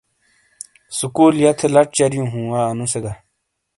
سُکول یا تھے لَچ چَریوں ہوں وا انو سے گہ۔